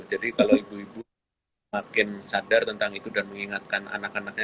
kalau ibu ibu makin sadar tentang itu dan mengingatkan anak anaknya